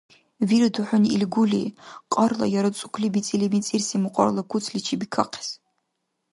Вируду хӀуни ил гули, кьарли яра цӀукли бицӀили, мицӀирси мукьарла куцличи бикахъес?